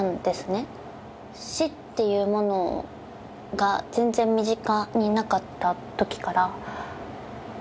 死っていうものが全然身近になかったときから。